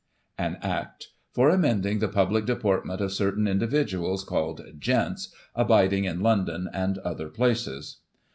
Punchy vol. IV., p. 142. AN ACT For amending the Public Deportment of certain individuals called " GentSy* abiding in London and other places.